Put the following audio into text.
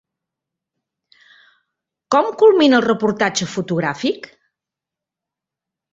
Com culmina el reportatge fotogràfic?